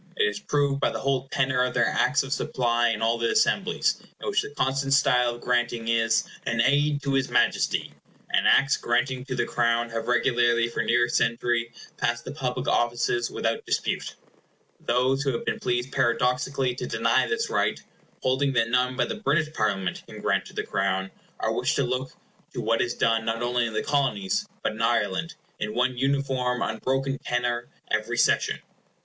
It is proved by the whole tenor of their Acts of Supply in all the Assemblies, in which the constant style of granting is, "an aid to his Majesty", and Acts granting to the Crown have regularly for near a century passed the public offices without dispute. Those who have been pleased paradoxically to deny this right, holding that none but the British Parliament can grant to the Crown, are wished to look to what is done, not only in the Colonies, but in Ireland, in one uniform unbroken tenor every session.